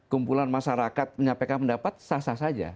kumpulan masyarakat menyampaikan pendapat sah sah saja